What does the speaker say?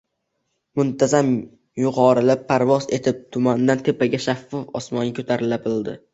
muntazam yuqorilab parvoz etib tumandan tepaga — shaffof osmonga ko‘tarila bildi…